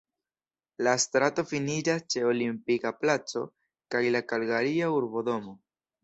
La strato finiĝas ĉe Olimpika Placo kaj la Kalgaria urbodomo.